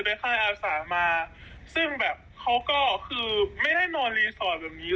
แต่พออันไปอ่ะเราก็ต้องไปโดนอะไรแบบนี้